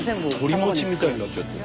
とりもちみたいになっちゃった。